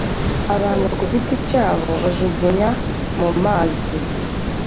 abantu ku giti cyabo bajugunya mumazi.